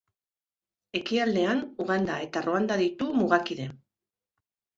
Ekialdean Uganda eta Ruanda ditu mugakide.